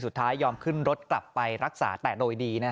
ยอมขึ้นรถกลับไปรักษาแต่โดยดี